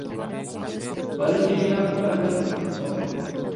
悪知恵や悪だくみのこと。